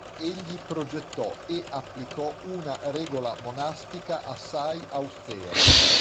Egli progettò e applicò una regola monastica assai austera.